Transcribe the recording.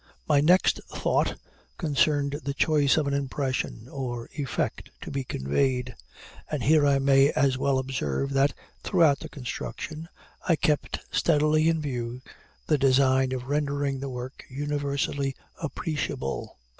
My next thought concerned the choice of an impression, or effect, to be conveyed: and here I may as well observe that, throughout the construction, I kept steadily in view the design of rendering the work universally appreciable.